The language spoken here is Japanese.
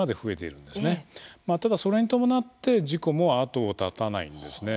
まあただそれに伴って事故も後を絶たないんですね。